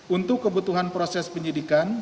untuk kebutuhan proses penyidikan